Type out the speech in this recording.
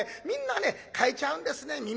みんなね変えちゃうんですね。